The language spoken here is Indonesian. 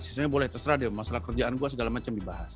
sesungguhnya boleh terserah deh masalah kerjaan gue segala macam dibahas